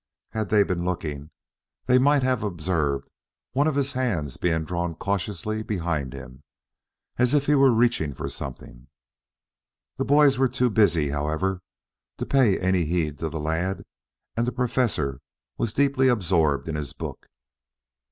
Had they been looking they might have observed one of his hands being drawn cautiously behind him, as if he were reaching for something. The boys were too busy, however, to pay any heed to the lad, and the Professor was deeply absorbed in his book.